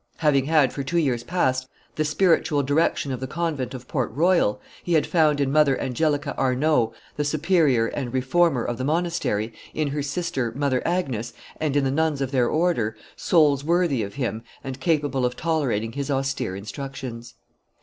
Having had, for two years past, the spiritual direction of the convent of Port Royal, he had found in Mother Angelica Arnauld, the superior and reformer of the monastery, in her sister, Mother Agnes, and in the nuns of their order, souls worthy of him and capable of tolerating his austere instructions.